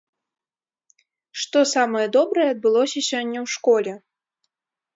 Што самае добрае адбылося сёння ў школе?